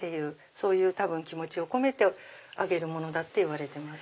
そういう気持ちを込めてあげるものだっていわれてます。